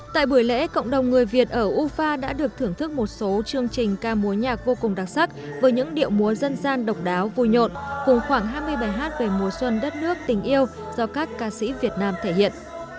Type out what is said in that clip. tại buổi lễ cộng đồng người việt ở ufa đã được thưởng thức một số chương trình ca múa nhạc vô cùng đặc sắc với những điệu múa dân gian độc đáo vui nhộn cùng khoảng hai mươi bài hát về mùa xuân đất nước tình yêu do các ca sĩ việt nam thể hiện